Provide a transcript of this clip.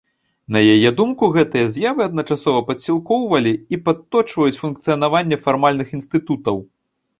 На яе думку, гэтыя з'явы адначасова падсілкоўвалі і падточваюць функцыянаванне фармальных інстытутаў.